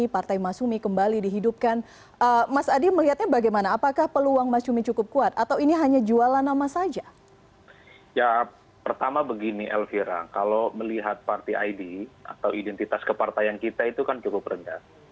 pertama begini elvira kalau melihat parti id atau identitas ke partai yang kita itu kan cukup rendah